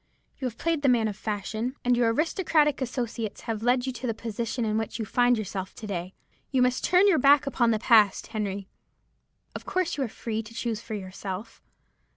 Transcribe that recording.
You have played the man of fashion, and your aristocratic associates have led you to the position in which you find yourself to day. You must turn your back upon the past, Henry. Of course you are free to choose for yourself.